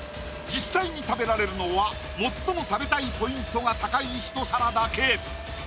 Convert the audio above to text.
実際に食べられるのは最も食べたいポイントが高いひと皿だけ２６９点！